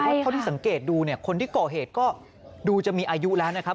เพราะเท่าที่สังเกตดูเนี่ยคนที่ก่อเหตุก็ดูจะมีอายุแล้วนะครับ